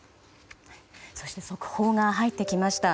そして、速報が入ってきました。